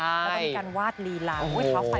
แล้วก็มีการวาดลีล้างโอ้โฮเท้าไฟเจ๋งจ้ะ